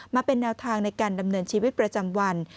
มาเป็นแนวทางในการดำเนินชีวิตประจำวัน